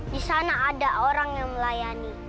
di sana ada orang yang melayani